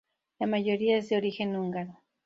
La mayoría es de origen húngaro.